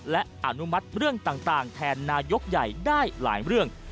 และอนุมัติเรื่องต่างแทนนายกใหญ่ได้หลายเรื่อง